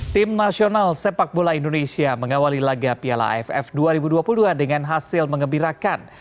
tim nasional sepak bola indonesia mengawali laga piala aff dua ribu dua puluh dua dengan hasil mengembirakan